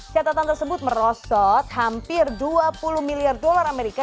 catatan tersebut merosot hampir dua puluh miliar dolar amerika